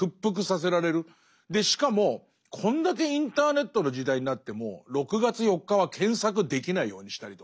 しかもこんだけインターネットの時代になっても６月４日は検索できないようにしたりとか。